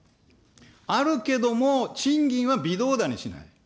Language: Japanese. あるけども賃金は微動だにしない。